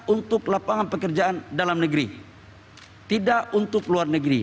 untuk lapangan pekerjaan dalam negeri tidak untuk luar negeri